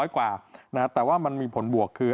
กว่าแต่ว่ามันมีผลบวกคือ